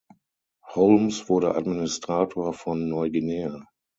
Holmes wurde Administrator von Neuguinea.